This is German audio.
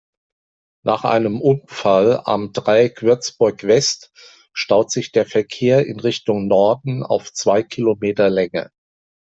Nach einem Unfall am Dreieck Würzburg-West staut sich der Verkehr in Richtung Norden auf zwei Kilometer Länge.